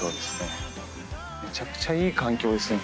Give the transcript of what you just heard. めちゃくちゃいい環境ですね。